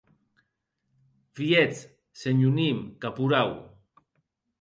Vietz, senhor Nym, caporau.